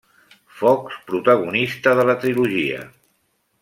Fox, protagonista de la trilogia.